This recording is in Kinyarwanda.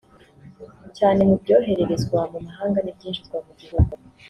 cyane mu byoherezwa mu mahanga n’ibyinjizwa mu gihugu